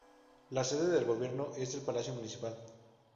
La sede del gobierno es el Palacio Municipal.